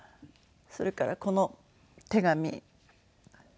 それからこの手紙。